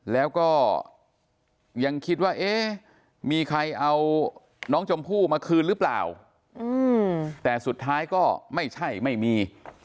แล้วก็ยังคิดว่าเอ๊ะมีใครเอาน้องชมพู่มาคืนหรือเปล่าแต่สุดท้ายก็ไม่ใช่ไม่มี